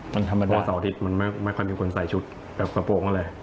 วันธรรมดาเพราะว่าเสาร์อาทิตย์มันไม่ค่อยมีคนใส่ชุดแบบกระโปรกก็เลย